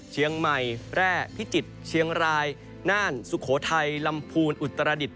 เชียงใหม่แร่พิจิตรเชียงรายน่านสุโขทัยลำพูนอุตรดิษฐ